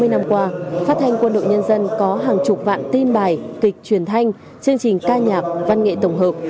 hai mươi năm qua phát thanh quân đội nhân dân có hàng chục vạn tin bài kịch truyền thanh chương trình ca nhạc văn nghệ tổng hợp